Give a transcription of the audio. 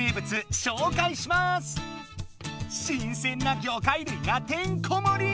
新鮮な魚介類がてんこもり！